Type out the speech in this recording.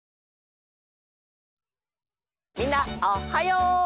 みんなおっはよう！